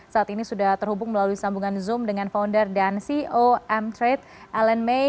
saat ini sudah terhubung melalui sambungan zoom dengan founder dan ceo m trade ellen may